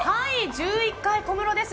１１階の小室です。